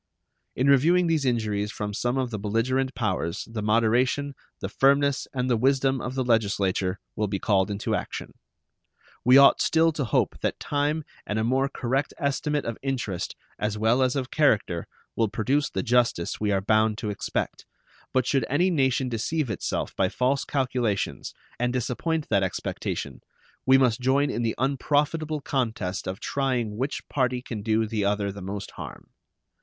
In reviewing these injuries from some of the belligerent powers the moderation, the firmness, and the wisdom of the Legislature will be called into action. We ought still to hope that time and a more correct estimate of interest as well as of character will produce the justice we are bound to expect, but should any nation deceive itself by false calculations, and disappoint that expectation, we must join in the unprofitable contest of trying which party can do the other the most harm.